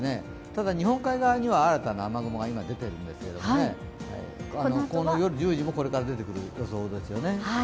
ただ、日本海側には新たな雨雲が今出ているんですけれども、この夜１０時もこのあと出てくる予想ですよね。